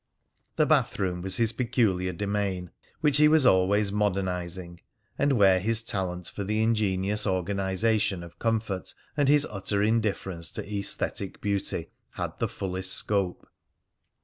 The bathroom was his peculiar domain, which he was always modernising, and where his talent for the ingenious organisation of comfort and his utter indifference to esthetic beauty had the fullest scope.